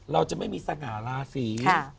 เราจะไม่มีสง่าราศี